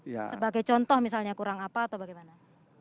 sebagai contoh misalnya kurang apa atau bagaimana